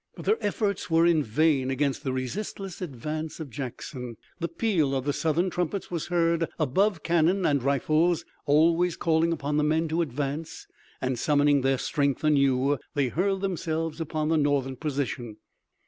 But their efforts were vain against the resistless advance of Jackson. The peal of the Southern trumpets was heard above cannon and rifles, always calling upon the men to advance, and, summoning their strength anew, they hurled themselves upon the Northern position.